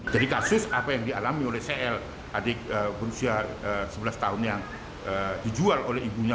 jadi kasus apa yang dialami oleh cl adik berusia sebelas tahun yang dijual oleh ibunya